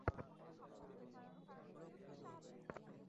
কোনো সংশয় করিল না, বাধা মানিল না।